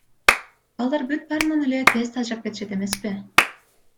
Балдар бүт баарынан эле тез тажап кетишет эмеспи.